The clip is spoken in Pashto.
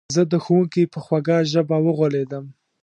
زه د ښوونکي په خوږه ژبه وغولېدم